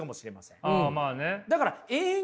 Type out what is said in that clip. あまあね。